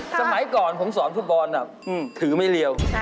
สมัยก่อนผมสอนฟุตบอลถือไม่เรียว